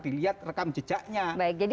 dilihat rekam jejaknya baik jadi